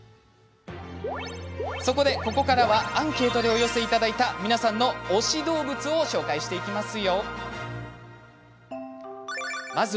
そこで、ここからはアンケートでお寄せいただいた皆さんの推し動物を紹介していきます。